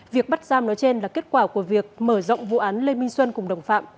việc bắt giam nói trên là kết quả của việc mở rộng vụ án lê minh xuân cùng đồng phạm